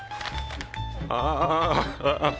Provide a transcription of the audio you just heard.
ああ。